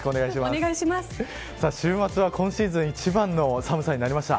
週末は今シーズン一番の寒さになりました。